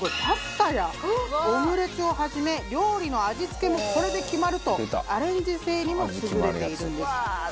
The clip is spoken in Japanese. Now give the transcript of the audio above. パスタやオムレツをはじめ料理の味付けもこれで決まるとアレンジ性にも優れているんです。